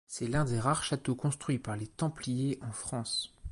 C'est l'un des rares châteaux construits par les Templiers en France.